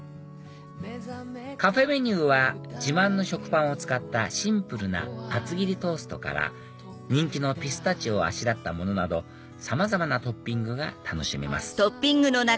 カフェメニューは自慢の食パンを使ったシンプルな厚切りトーストから人気のピスタチオをあしらったものなどさまざまなトッピングが楽しめます